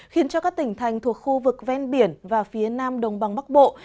khiến cho các tỉnh thành thuộc khu vực ven biển và phía nam đồng bằng bắc bộ